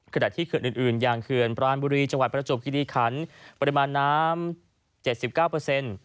ขณะที่เขื่อนอื่นอย่างเขื่อนปรานบุรีจังหวัดประจวบคิริขันปริมาณน้ำ๗๙เปอร์เซ็นต์